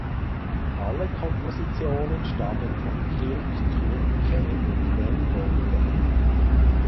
Alle Kompositionen stammen von Kirk Knuffke und Ben Goldberg.